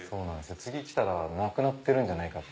次来たらなくなってるんじゃないかって。